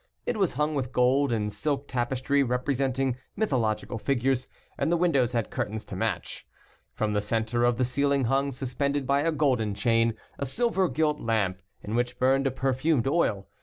It was hung with gold and silk tapestry, representing mythological figures and the windows had curtains to match. From the center of the ceiling hung, suspended by a golden chain, a silver gilt lamp, in which burned a perfumed oil.